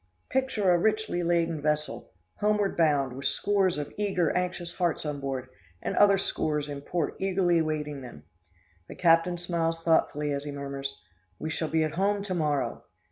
Picture a richly laden vessel, homeward bound, with scores of eager anxious hearts on board, and other scores in port eagerly waiting them. The captain smiles thoughtfully, as he murmurs, "We shall be at home to morrow!"